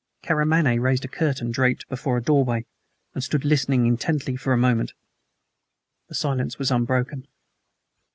Karamaneh raised a curtain draped before a doorway, and stood listening intently for a moment. The silence was unbroken.